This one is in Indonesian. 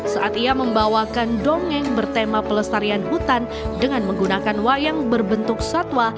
saat ia membawakan dongeng bertema pelestarian hutan dengan menggunakan wayang berbentuk satwa